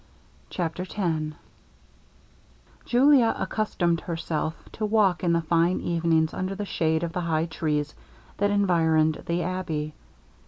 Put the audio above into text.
CHAPTER X Julia accustomed herself to walk in the fine evenings under the shade of the high trees that environed the abbey.